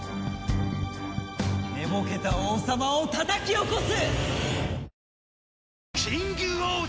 寝ぼけた王様をたたき起こす！